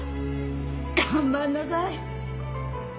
頑張んなさい！